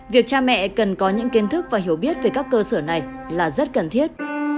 việc cha mẹ cần có những kiến thức và hiểu biết về các cơ sở này là rất cần thiết